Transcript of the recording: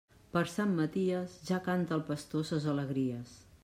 Per Sant Maties, ja canta el pastor ses alegries.